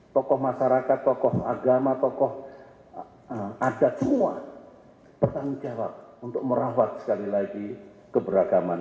tokoh masyarakat tokoh agama tokoh adat semua bertanggung jawab untuk merawat sekali lagi keberagaman